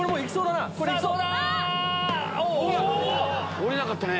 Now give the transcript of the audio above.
⁉下りなかったね。